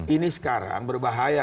ini sekarang berbahaya